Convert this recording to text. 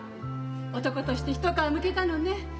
男としてひと皮むけたのね。